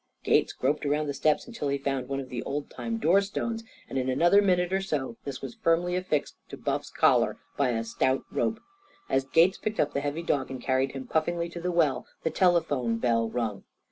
Gates groped around the steps until he found one of the old time door stones, and in another minute or so this was firmly affixed to Buff's collar by a stout rope. As Gates picked up the heavy dog and carried him puffingly to the well the telephone bell rung.